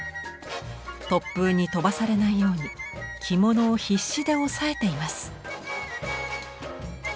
突風に飛ばされないように着物を必死で押さえています。